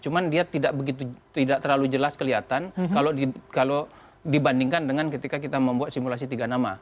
cuma dia tidak begitu tidak terlalu jelas kelihatan kalau dibandingkan dengan ketika kita membuat simulasi tiga nama